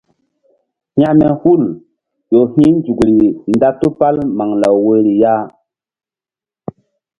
Hekme hul ƴo hi̧ nzukri nda tupal maŋlaw woyri ya.